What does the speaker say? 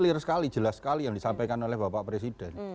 pidato kenegaraan kan jelas sekali yang disampaikan oleh bapak presiden